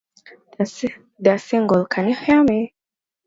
Their single Can You Hear Me?